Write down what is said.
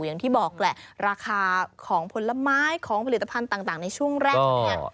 อย่างที่บอกแหละราคาของผลไม้ของผลิตภัณฑ์ต่างในช่วงแรกเนี่ย